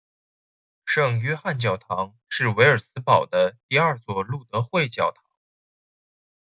圣约翰教堂是维尔茨堡的第二座路德会教堂。